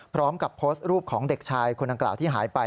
พร้อมกับโพสต์รูปของเด็กชายคนดังกล่าวที่หายไป